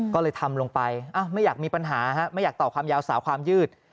ก็เลยทำลงไปไม่อยากมีปัญหาไม่อยากต่อความยาวสาวความยืด